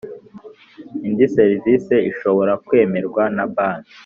Indi serivisi ishobora kwemerwa na Banki